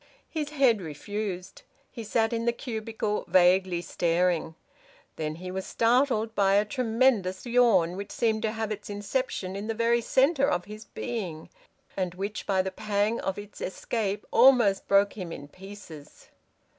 His head refused. He sat in the cubicle vaguely staring. Then he was startled by a tremendous yawn, which seemed to have its inception in the very centre of his being, and which by the pang of its escape almost broke him in pieces.